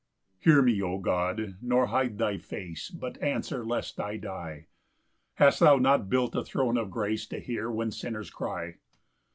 1 Hear me, O God, nor hide thy face, But answer lest I die; Hast thou not built a throne of grace To hear when sinners cry?